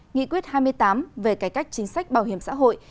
nghị quyết hai mươi tám về cải cách chính sách bảo hiểm xã hội